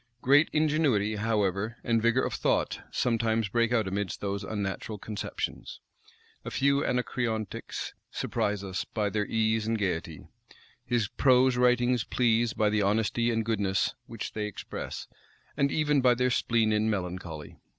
Great ingenuity, however, and vigor of thought, sometimes break out amidst those unnatural conceptions: a few anacreontics surprise us by their ease and gayety: his prose writings please by the honesty and goodness which they express, and even by their spleen and melancholy.